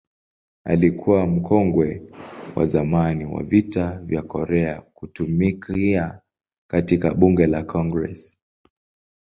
Alikuwa mkongwe wa zamani wa Vita vya Korea kutumikia katika Bunge la Congress.